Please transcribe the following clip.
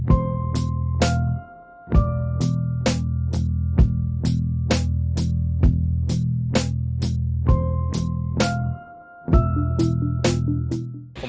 อันนี้คือบางทีนี่ก็ทำเร็วคิดเร็วไป